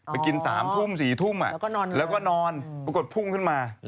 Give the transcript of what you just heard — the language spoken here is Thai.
ไปกินสามทุ่มสี่ทุ่มอ่ะแล้วก็นอนปรากฎพุ่งขึ้นมา